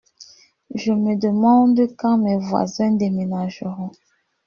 Je me demande quand mes voisins déménageront.